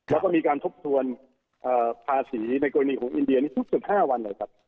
แล้วก็มีการทบทวนภาษีในพิษสินัยกรณีของอินเดีย๑๕วันแหละครับ